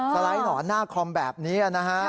สไลด์หนอนหน้าคอมแบบนี้นะฮะ